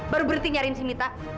baru berhenti nyari si mita